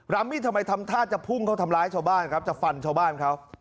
มีดทำไมทำท่าจะพุ่งเขาทำร้ายชาวบ้านครับจะฟันชาวบ้านเขา